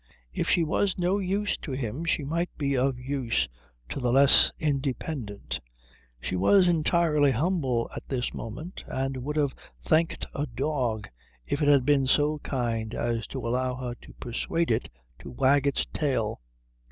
If she was no use to him she might be of use to the less independent. She was entirely humble at this moment, and would have thanked a dog if it had been so kind as to allow her to persuade it to wag its tail.